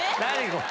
これ。